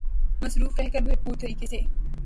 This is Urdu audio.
مصروف رہ کر بھرپور طریقے سے